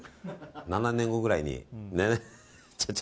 ７年後ぐらいに。